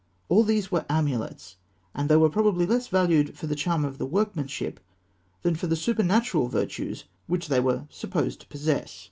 All these were amulets; and they were probably less valued for the charm of the workmanship than for the supernatural virtues which they were supposed to possess.